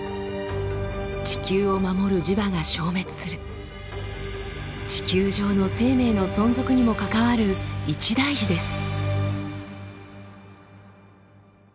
地球を守る地球上の生命の存続にも関わる一大事です。